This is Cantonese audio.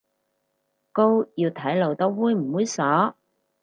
告要睇露得猥唔猥褻